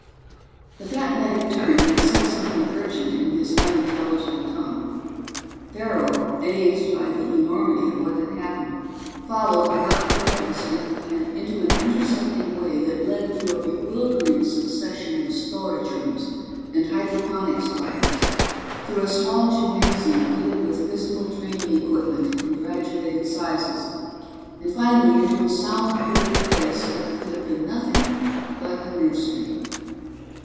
The fat medic turned and said something urgent in his unintelligible tongue. Farrell, dazed by the enormity of what had happened, followed without protest into an intersecting way that led through a bewildering succession of storage rooms and hydroponics gardens, through a small gymnasium fitted with physical training equipment in graduated sizes and finally into a soundproofed place that could have been nothing but a nursery.